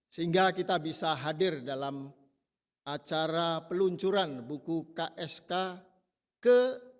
sehingga kita bisa hadir dalam acara peluncuran buku ksk ke tujuh puluh dua